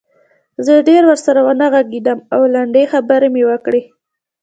زه ډېر ورسره ونه غږېدم او لنډې خبرې مې وکړې